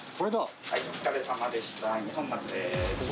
お疲れさまでした二本松です。